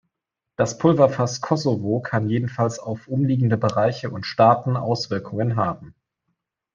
Das Pulverfass Kosovo kann jedenfalls auf umliegende Bereiche und Staaten Auswirkungen haben.